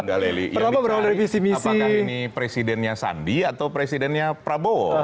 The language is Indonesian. apakah ini presidennya sandi atau presidennya prabowo